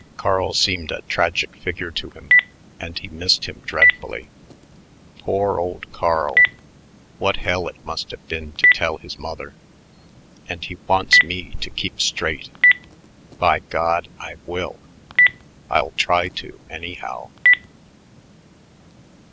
Carl seemed a tragic figure to him, and he missed him dreadfully. Poor old Carl! What hell it must have been to tell his mother! "And he wants me to keep straight. By God, I will.... I'll try to, anyhow."